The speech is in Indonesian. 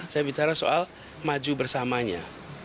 saya bicara soal maju bersamanya